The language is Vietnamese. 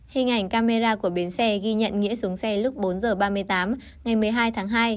hình ảnh camera của bến xe ghi nhận nghĩa xuống xe lúc bốn h ba mươi tám ngày một mươi hai tháng hai